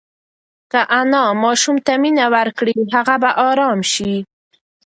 که انا ماشوم ته مینه ورکړي، هغه به ارام شي.